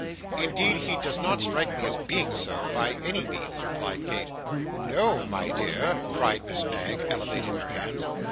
'Indeed he does not strike me as being so, by any means,' replied Kate. 'No, my dear!' cried Miss Knag, elevating her hands.